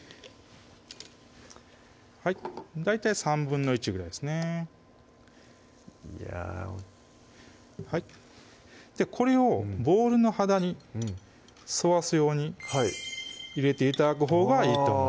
大体１／３ぐらいですねいやはいこれをボウルの肌に沿わすように入れて頂くほうがいいと思います